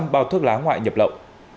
sáu trăm linh bao thuốc lá ngoại nhập lộn